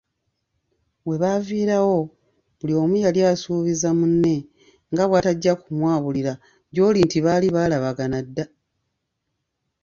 We baaviiraawo buli omu yali asuubiza munne nga bw'atajja kumwabulira gy'oli nti baali baalabagana dda!